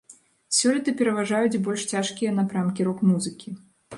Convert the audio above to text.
Сёлета пераважаюць больш цяжкія напрамкі рок-музыкі.